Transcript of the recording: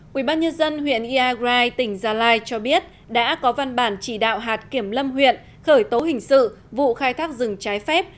quỹ ban nhân dân huyện iagrai tỉnh gia lai cho biết đã có văn bản chỉ đạo hạt kiểm lâm huyện khởi tố hình sự vụ khai thác rừng trái phép